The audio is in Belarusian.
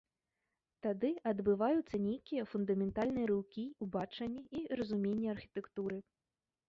Тады адбываюцца нейкія фундаментальныя рыўкі ў бачанні і разуменні архітэктуры.